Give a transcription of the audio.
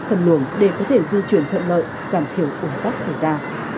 phần luồng để có thể dư chuyển thuận lợi giảm thiểu của các xảy ra